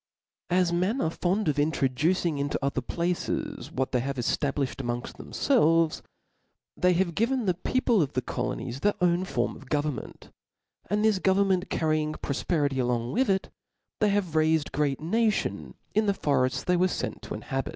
As men are fond of introducing into other places what they have eftabiifhed amongfl: chemfelve&, thejy have given the people of the colonies their own form of government; and this government carrying (n pfperity along with it, they have raifed great na tlons in the forefts they werefentto inhabit.